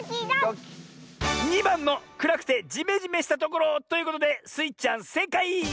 ２ばんのくらくてジメジメしたところということでスイちゃんせいかい！